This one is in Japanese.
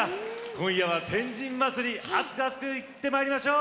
今夜は天神祭り熱く熱くいってまいりましょう。